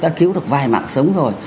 đã cứu được vài mạng sống rồi